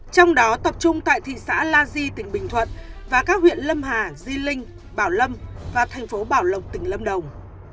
trong đó tập trung tại thị xã la di tỉnh bình thuận và các huyện lâm hà di linh bảo lâm và thành phố bảo lộc tỉnh lâm đồng